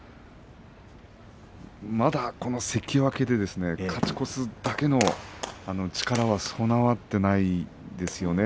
まだ関脇で勝ち越すだけの力はそんな備わっていないですよね。